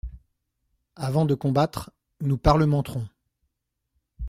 Avant de combattre, nous parlementerons.